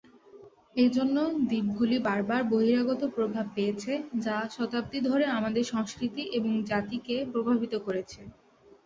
এইজন্য, দ্বীপগুলি বরাবর বহিরাগত প্রভাব পেয়েছে, যা বহু শতাব্দী ধরে তাদের সংস্কৃতি এবং জাতিকে প্রভাবিত করেছে।